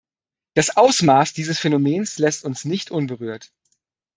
Das Ausmaß dieses Phänomens lässt uns nicht unberührt.